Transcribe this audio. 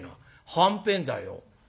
「はんぺんだよ」。